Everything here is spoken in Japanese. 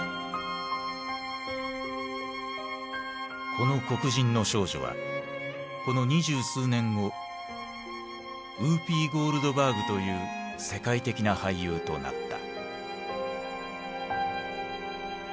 この黒人の少女はこの二十数年後ウーピー・ゴールドバーグという世界的な俳優となった。